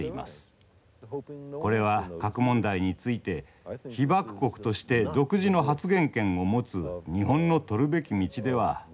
これは核問題について被爆国として独自の発言権を持つ日本のとるべき道ではないと思います。